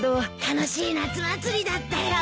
楽しい夏祭りだったよ。